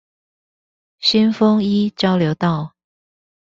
新豐一交流道